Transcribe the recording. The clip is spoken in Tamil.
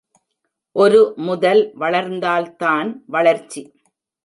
ஒருமுதல் வளர்ந்தால்தான் வளர்ச்சி.